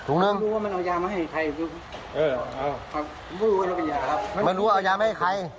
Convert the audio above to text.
ไม่รู้เอายามันรู้ออนหยาไม่ให้ใคร